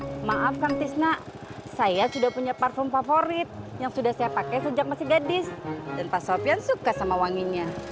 suka sama wanginya pak sofyan iya pak tisnak saya ingin menawarkan parfum favorit yang sudah saya pakai sejak masih gadis dan pak sofyan suka sama wanginya